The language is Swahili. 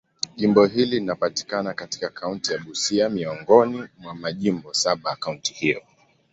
Jimbo hili linapatikana katika kaunti ya Busia, miongoni mwa majimbo saba ya kaunti hiyo.